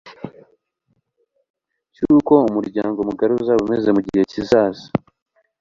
cyuko umuryango mugari uzaba umeze mu gihe kizaza